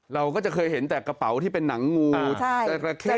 เราก็จะเคยเห็นแต่กระเป๋าที่เป็นหนังงูจราเข้